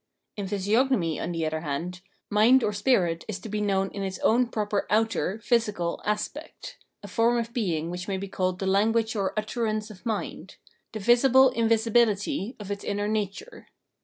In physiognomy, on the other hand, mind or spirit is to be known in its own proper outer (physical) aspect, a form of being which may be called the language or utterance of mind — the visible invisibihty of its inner nature.